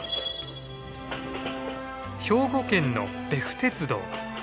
兵庫県の別府鉄道。